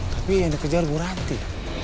tapi yang dikejar ibu ranti